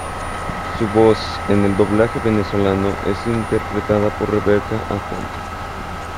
Su voz en el doblaje venezolano es interpretada por Rebeca Aponte.